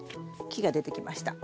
木が出てきました。